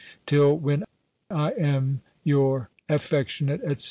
Till when I am your affectionate, &c."